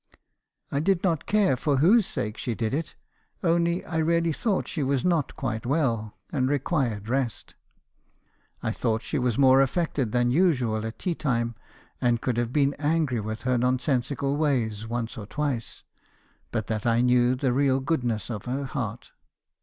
"I did not care for whose sake she did it. Only I really thought she was not quite well , and required rest. I thought she was more affected than usual at tea time ; and could have been angry with her nonsensical ways once or twice; but that I knew the real goodness of her heart.